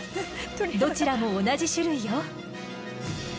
どちらも同じ種類よ。